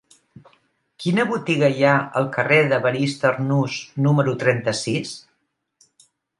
Quina botiga hi ha al carrer d'Evarist Arnús número trenta-sis?